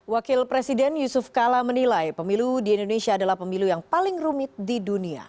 wakil presiden yusuf kala menilai pemilu di indonesia adalah pemilu yang paling rumit di dunia